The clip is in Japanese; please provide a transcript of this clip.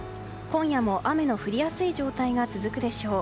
今夜も雨の降りやすい状態が続くでしょう。